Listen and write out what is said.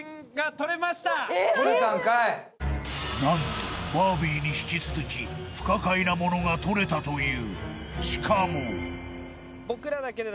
撮れたんかいっ何とバービーに引き続き不可解なものが撮れたという